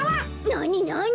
なになに？